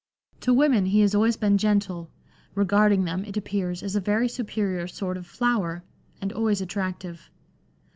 To women he was always xvi LANDOR. gentle — regarding them, it appears, as a very superior sort of flower — and always attractive.